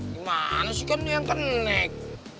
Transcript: di mana sih kan yang teneg